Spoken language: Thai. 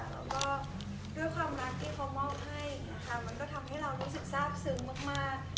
แล้วก็ด้วยความรักที่เขามอบให้นะคะมันก็ทำให้เรารู้สึกทราบซึ้งมาก